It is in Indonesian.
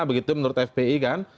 begitu menurut fpi kan